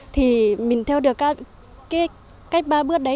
thì mình theo được các cách ba bước đấy